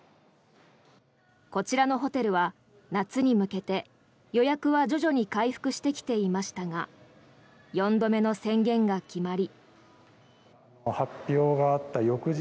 こちらのホテルは夏に向けて予約は徐々に回復してきていましたが４度目の宣言が決まり。